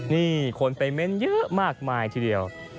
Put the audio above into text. นี่คนไปเม้นเยอะมากมายทีเดียว